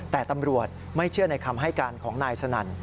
แต่ตำรวจไม่เชื่อในคำให้การของนายสนั่น